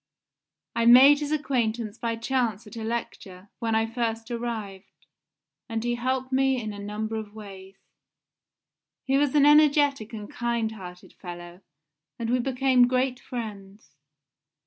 I made his acquaintance by chance at a lecture, when I first arrived, and he helped me in a number of ways. He was an energetic and kind hearted fellow, and we became great friends.